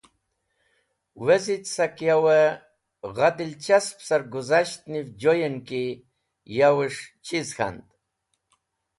Wezit! , Sak yow-e gha dilchasp sarguzasht niv joyen ki yowes̃h chiz k̃hand.